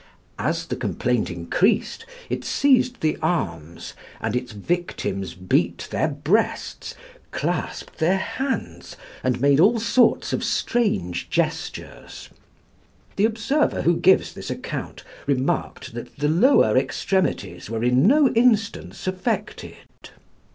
As the complaint increased it seized the arms, and its victims beat their breasts, clasped their hands, and made all sorts of strange gestures. The observer who gives this account remarked that the lower extremities were in no instance affected.